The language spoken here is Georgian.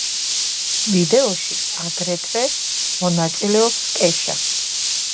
ვიდეოში აგრეთვე მონაწილეობს კეშა.